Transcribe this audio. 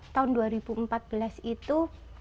tahun dua ribu empat belas itu